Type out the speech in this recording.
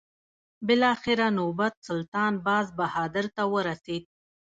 بالاخره نوبت سلطان باز بهادر ته ورسېد.